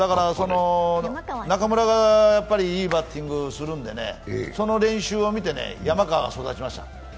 中村がいいバッティングするので、その練習を見て山川が育ちましたね。